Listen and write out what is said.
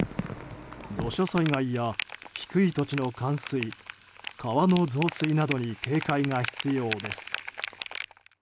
土砂災害や低い土地の冠水川の増水などに警戒が必要です。